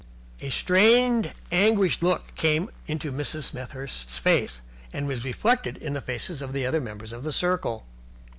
A strained, anguished look came into Mrs. Smethurst's face and was reflected in the faces of the other members of the circle.